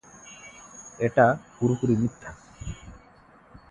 এটা পুরোপুরি মিথ্যা।